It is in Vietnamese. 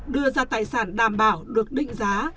đưa ra tài sản đảm bảo được định giá